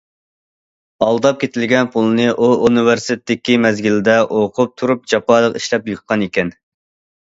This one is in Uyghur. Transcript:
ئالداپ كېتىلگەن پۇلنى ئۇ ئۇنىۋېرسىتېتتىكى مەزگىلدە ئوقۇپ تۇرۇپ جاپالىق ئىشلەپ يىغقان ئىكەن.